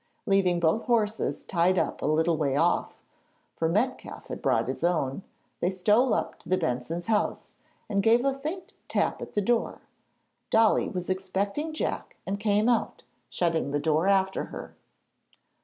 Leaving both horses tied up a little way off for Metcalfe had brought his own they stole up to the Bensons' house and gave a faint tap at the door. Dolly was expecting Jack and came out, shutting the door after her.